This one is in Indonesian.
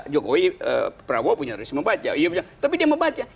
jokowi prabowo punya tradisi membaca